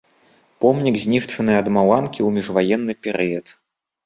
Помнік знішчаны ад маланкі ў міжваенны перыяд.